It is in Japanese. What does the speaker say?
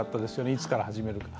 いつから始めるか。